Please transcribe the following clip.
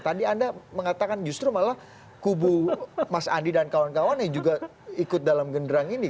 tadi anda mengatakan justru malah kubu mas andi dan kawan kawan yang juga ikut dalam genderang ini